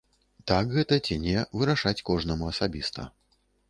Так гэта ці не, вырашаць кожнаму асабіста.